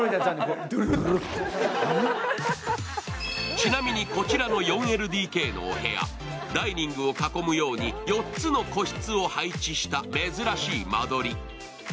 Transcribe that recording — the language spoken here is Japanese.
ちなみに、こちらの４ＬＤＫのお部屋、ダイニングを囲むように４つの個室を配置した珍しい間取り。